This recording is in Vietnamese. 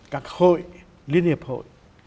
các hội liên hiệp hội